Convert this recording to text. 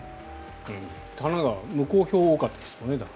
神奈川は無効票が多かったですよね。